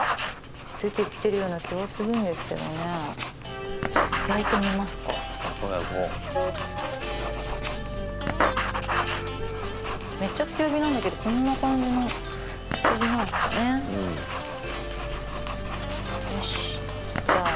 出てきてるような気はするんですけどね焼いてみますかめっちゃ強火なんだけどこんな感じの強火なんですかねよしじゃあ